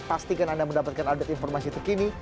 pastikan anda mendapatkan update informasi terkini